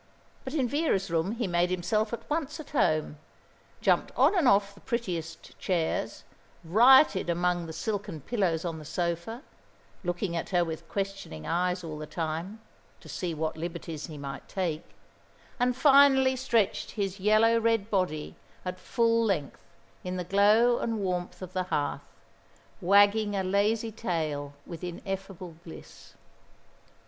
But in Vera's room he made himself at once at home, jumped on and off the prettiest chairs, rioted among the silken pillows on the sofa, looking at her with questioning eyes all the time, to see what liberties he might take, and finally stretched his yellow red body at full length in the glow and warmth of the hearth, wagging a lazy tail with ineffable bliss.